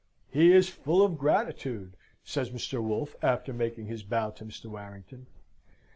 "He is full of gratitude," says Mr. Wolfe, after making his bow to Mr. Warrington.